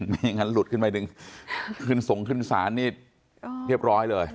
ไม่งั้นหลุดขึ้นไปหนึ่งคืนส่งขึ้นสารนี้เรียบร้อยเลย